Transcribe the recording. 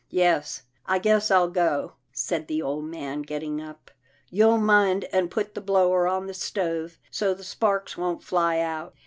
"" Yes, I guess I'll go," said the old man getting up. " You'll mind and put the blower on the stove, so the sparks won't fly out."